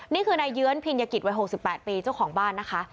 นี่คือนายเยื้อนพิญญกิจวัย๖๘ปีเจ้าของบ้านนะคะ